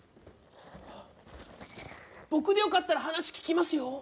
僕でよかったら話聞きますよ？